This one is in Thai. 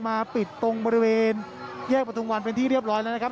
มาปิดตรงบริเวณแยกประทุมวันเป็นที่เรียบร้อยแล้วนะครับ